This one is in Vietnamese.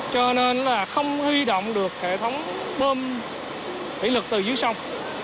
cho nên là không huy động được hệ thống bơm thủy lực từ dưới sông